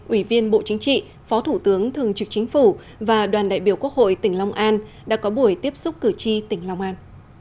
ủy viên bộ chính trị phó thủ tướng thường trực chính phủ và đoàn đại biểu quốc hội tỉnh long an đã có buổi tiếp xúc cử tri tỉnh long an